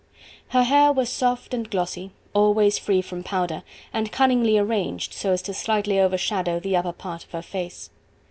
Her hair was soft and glossy, always free from powder, and cunningly arranged so as to slightly overshadow the upper part of her face.